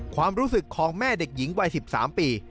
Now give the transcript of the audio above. ความรู้สึกของแม่เด็กหญิงวัย๑๓ปี